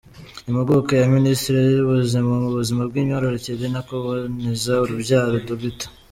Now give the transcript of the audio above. Impuguke ya Minisiteri y’Ubuzima mu buzima bw’imyororokere no kuboneza urubyaro, Dr.